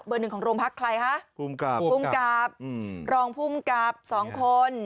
เบอร์หนึ่งของโรงพักษณ์ใครฮะภูมิกราบภูมิกราบรองภูมิกราบ๒คน